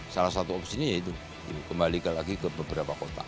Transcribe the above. salah satu opsi ini ya itu kembali lagi ke beberapa kota